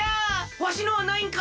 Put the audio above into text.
わしのはないんか！？